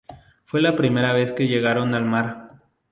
Fue la primera vez que llegaron al mar.